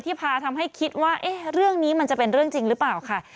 พาทำให้คิดว่าเรื่องนี้มันจะเป็นเรื่องจริงหรือเปล่าค่ะ